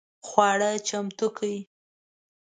خواړه چمتو کړئ